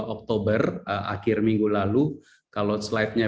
oktober akhir minggu lalu kalau slide nya